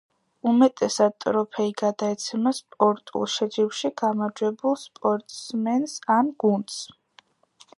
უმეტესად ტროფეი გადაეცემა სპორტულ შეჯიბრში გამარჯვებულ სპორტსმენს ან გუნდს.